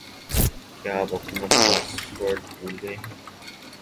کیا آپ اپنا پاسورڈ بھول گئے ہیں